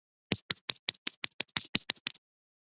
火山带意指存在大量火山活动的大型区域。